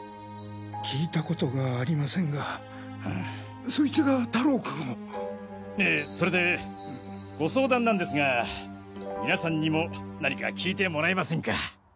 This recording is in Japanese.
聞いたことがありませんがそいつが太郎君を？ええそれでご相談なんですが皆さんにも何か聞いてもらえませんか？